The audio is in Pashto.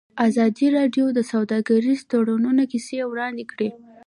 ازادي راډیو د سوداګریز تړونونه کیسې وړاندې کړي.